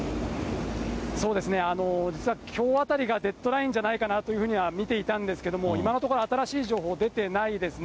実はきょうあたりがデッドラインじゃないかなというふうには見ていたんですけども、今のところ、新しい情報出てないですね。